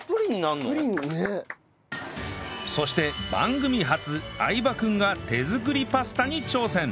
そして番組初相葉君が手作りパスタに挑戦